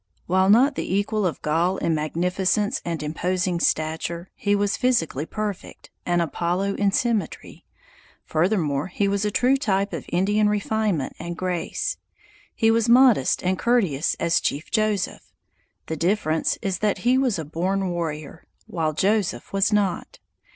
While not the equal of Gall in magnificence and imposing stature, he was physically perfect, an Apollo in symmetry. Furthermore he was a true type of Indian refinement and grace. He was modest and courteous as Chief Joseph; the difference is that he was a born warrior, while Joseph was not.